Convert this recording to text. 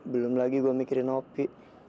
belum lagi gue mikirin nopi